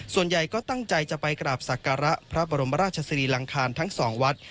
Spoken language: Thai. ส่วนใหญ่ก็ตั้งใจจะไปกราบศักระพระบรมราชศรีลังคารทั้งสองวัด